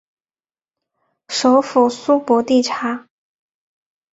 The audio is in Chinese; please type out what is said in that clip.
首府苏博蒂察。